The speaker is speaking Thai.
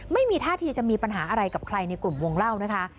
ไม่มีท่าทีจะมีปัญหาอะไรกับใครในกลุ่มวงเล่านะคะ